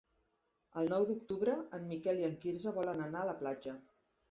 El nou d'octubre en Miquel i en Quirze volen anar a la platja.